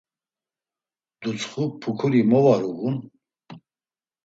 Dutsxu pukuri mo var uğun.